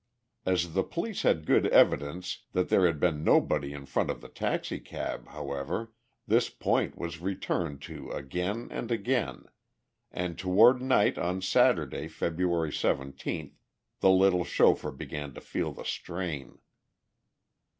As the police had good evidence that there had been nobody in front of the taxicab, however, this point was returned to again and again, and toward night on Saturday, February 17, the little chauffeur began to feel the strain.